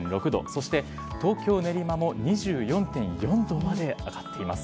そして東京・練馬も２４．４度まで上がっています。